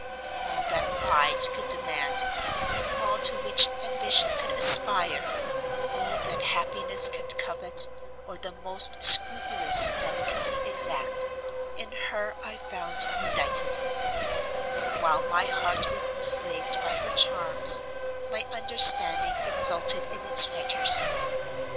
All that pride could demand, and all to which ambition could aspire, all that happiness could covet, or the most scrupulous delicacy exact, in her I found united; and while my heart was enslaved by her charms, my understanding exulted in its fetters.